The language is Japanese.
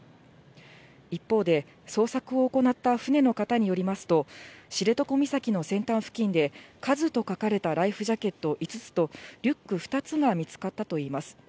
一方で、捜索を行った船の方によりますと、知床岬の先端付近でカズと書かれたライフジャケット５つと、リュック２つが見つかったといいます。